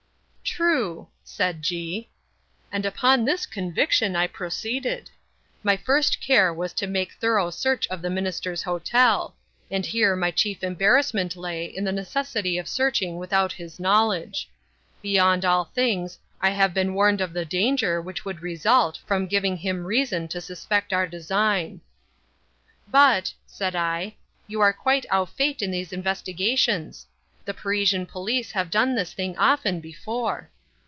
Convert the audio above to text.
"True," said G.; "and upon this conviction I proceeded. My first care was to make thorough search of the minister's hotel; and here my chief embarrassment lay in the necessity of searching without his knowledge. Beyond all things, I have been warned of the danger which would result from giving him reason to suspect our design." "But," said I, "you are quite au fait in these investigations. The Parisian police have done this thing often before."